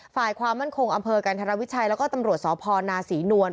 ฝ่ายความมั่นคงอำเภอกันธรวิชัยแล้วก็ตำรวจสพนาศรีนวล